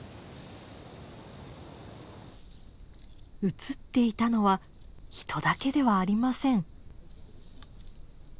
映っていたのは人だけではありません。